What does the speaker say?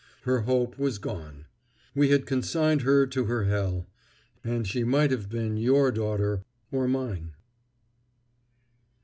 Her hope was gone. We had consigned her to her hell. And she might have been your daughter or mine.